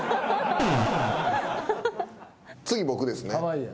次僕ですね。